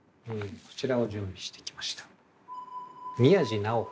こちらを準備してきました。